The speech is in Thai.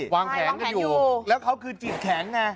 วางแผงกันอยู่แล้วเขาคือจิตแข็งไง